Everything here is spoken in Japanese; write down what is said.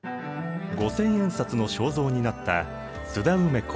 五千円札の肖像になった津田梅子。